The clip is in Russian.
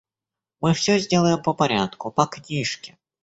Мы всё сделаем по порядку, по книжке.